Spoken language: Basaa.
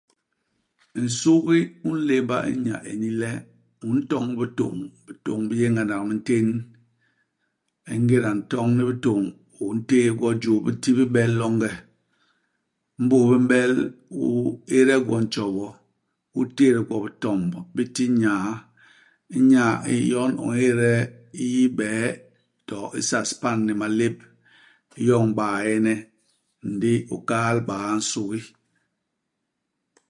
Nsugi u nlémba i nya ini le, u ntoñ bitôñ ; bitôñ bi yé ngandak i mintén. Ingéda u ntoñ ni bitôñ, u ntéé gwo i juu, bi tibil bel longe. Imbus bi m'bel, u éde gwo i ntjobo, u tét gwo, bi tomb ; bi ti nyaa. Inyaa i yon u ñéde i hibee, to i saspan ni malép. U yoñ baene, ndi u kahal baa nsugi.